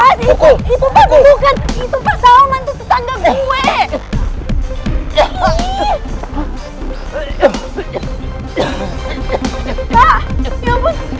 itu pasal mantu tetangga gue